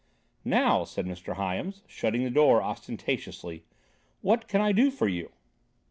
"Now," said Mr. Hyams, shutting the door ostentatiously, "what can I do for you?"